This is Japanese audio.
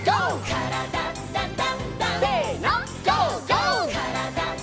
「からだダンダンダン」せのＧＯ！